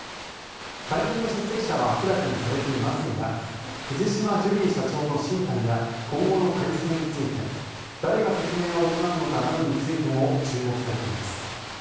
会見の出席者は明らかにされていませんが藤島ジュリー社長の進退や今後の体制について誰が説明を行うのかなどについても注目されています。